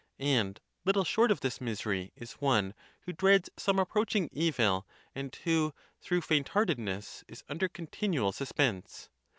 And little short of this misery is one who dreads some approaching evil, and who, through faintheartedness, is under continual suspense.